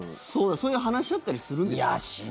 そういうの話し合ったりするんですか？